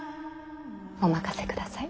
お任せください。